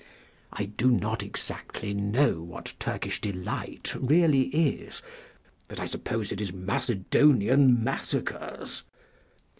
I do not exactly know what Turkish delight really is; but I suppose it is Macedonian Massacres.